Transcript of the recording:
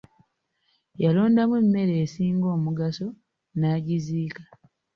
Yalondamu emmere esinga omugaso n'agiziika.